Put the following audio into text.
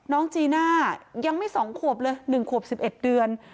จีน่ายังไม่๒ขวบเลย๑ขวบ๑๑เดือน